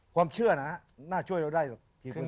ความเชื่อนะ้าน่าช่วยเราได้หรือเป้าหมด